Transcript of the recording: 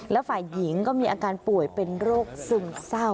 แล้วฝ่ายหญิงก็มีอาการป่วยเป็นโรคซึมเศร้า